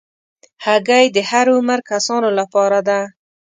هګۍ د هر عمر کسانو لپاره ده.